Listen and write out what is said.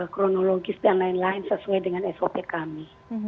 kronologis dan lain lain sesuai dengan sop kami